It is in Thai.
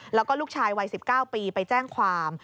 แล้วก็ลูกชายวัย๑๙ปีไปแจ้งความ